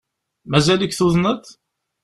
Mazal-ik tuḍneḍ?